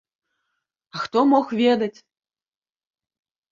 А хто мог ведаць?